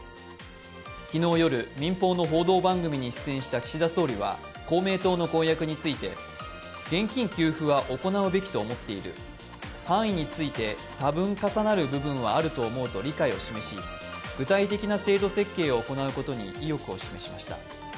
昨日夜、民放の報道番組に出演した岸田総理は公明党の公約について、現金給付は行うべきと思っている、範囲について多分重なる部分はあると理解を示し、具体的な制度設計を行うことに意欲を示しました。